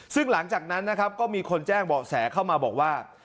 ซึ่งหลังจากนั้นนะครับก็มีคนแจ้งเบาะแสเข้ามาบอกว่า